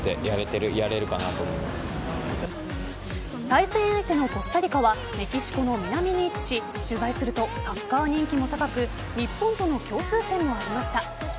対戦相手のコスタリカはメキシコの南に位置し取材するとサッカー人気も高く日本との共通点もありました。